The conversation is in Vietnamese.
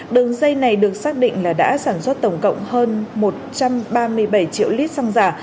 đường dây này được xác định là đã sản xuất tổng cộng hơn một trăm ba mươi bảy triệu lít xăng giả